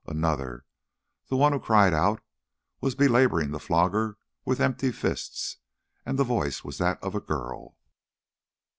Another, the one who cried out, was belaboring the flogger with empty fists, and the voice was that of a girl!